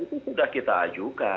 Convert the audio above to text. dan itu sudah kita ajukan